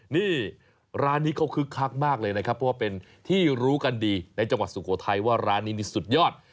นี่ร้านนี้เขาคึกคักมากเลยนะครับเพราะว่าเป็นที่รู้กันดีในจังหวัดสุโขทัยว่าร้านนี้นี่สุดยอด